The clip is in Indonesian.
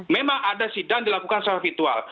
memang ada sidang dilakukan secara virtual